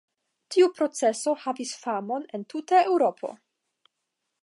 Tiu proceso havis famon en tuta Eŭropo.